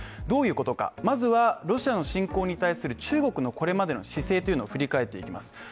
どういうことか、まずはロシアの侵攻に対する、中国のこれまでの姿勢というのを振り返っていきます。